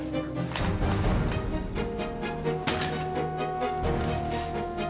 ya ampun mbak dewi